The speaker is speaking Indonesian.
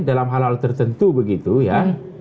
dalam hal hal tertentu begitu ya